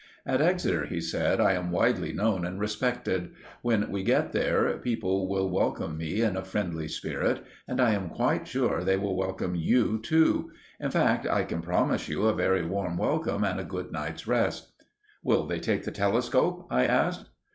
"At Exeter," he said, "I am widely known and respected. When we get there, certain people will welcome me in a friendly spirit, and I am quite sure they will welcome you too. In fact, I can promise you a very warm welcome and a good night's rest." "Will they take the telescope?" I asked.